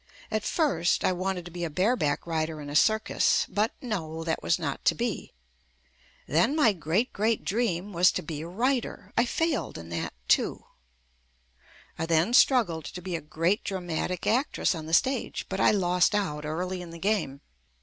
At first, I wanted to be a bareback rider in a circus, but, no, that was not to be. Then my great, great dream was to be a writer. I failed in that too. I then struggled to be a great dramatic actress on the stage, but I lost out early in the game.